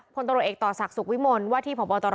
พตเอกต่อศักดิ์ศุกร์วิมนต์ว่าที่พบ